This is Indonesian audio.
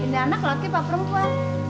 ini anak laki laki perempuan